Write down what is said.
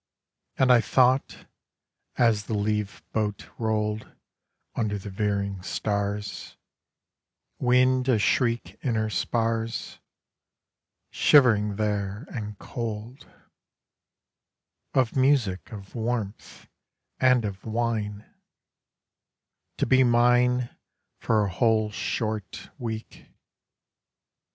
And I thought, as the leave boat rolled Under the veering stars Wind a shriek in her spars Shivering there, and cold, Of music, of warmth, and of wine To be mine For a whole short week